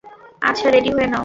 আচ্ছা রেডি হয়ে নাও।